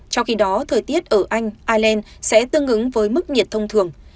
trong khi đó thời tiết ở anh ireland sẽ tương ứng với mức nhiệt thông thường